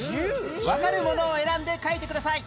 わかるものを選んで書いてください